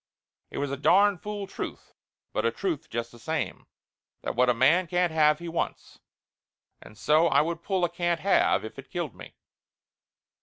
It was a darn fool truth, but a truth just the same, that what a man can't have he wants, and so I would pull a can't have, if it killed me.